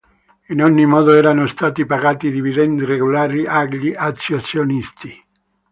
In ogni modo erano stati pagati dividendi regolari agli azionisti.